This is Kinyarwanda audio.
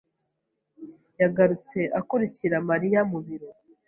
yarahagurutse akurikira Mariya mu biro.